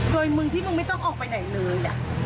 โดยมึงที่มึงไม่ต้องออกไปไหนเลย